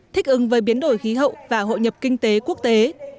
thích ứng với biến đổi khí hậu và hội nhập kinh tế quốc tế